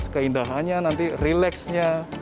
keindahannya nanti relax nya